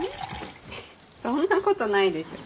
そんなことないでしょ。